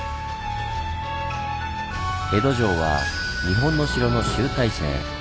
「江戸城は日本の城の集大成」。